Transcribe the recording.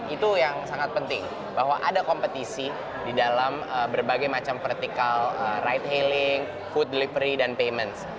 itu yang sangat penting bahwa ada kompetisi di dalam berbagai macam vertikal right healing food delivery dan payment